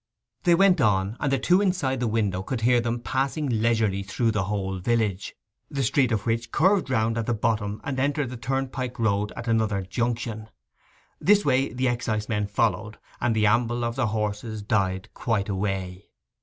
They went on, and the two inside the window could hear them passing leisurely through the whole village, the street of which curved round at the bottom and entered the turnpike road at another junction. This way the excisemen followed, and the amble of their horses died quite away.